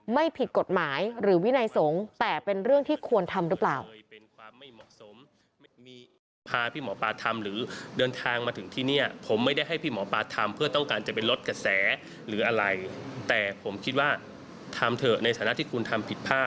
ไม่ผิดกฎหมายหรือวินัยสงฆ์แต่เป็นเรื่องที่ควรทำหรือเปล่า